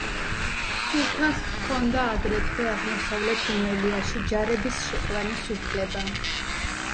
სულთანს ჰქონდა აგრეთვე აღმოსავლეთ რუმელიაში ჯარების შეყვანის უფლება.